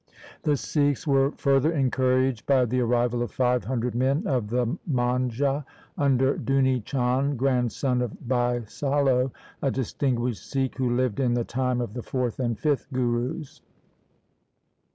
The Sikhs were further encouraged by the arrival of five hundred men of the Manjha under Duni Chand, grandson of Bhai Salo, a distinguished Sikh who lived in the time of the fourth and fifth Gurus.